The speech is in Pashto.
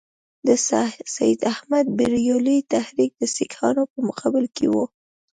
د سید احمدبرېلوي تحریک د سیکهانو په مقابل کې وو.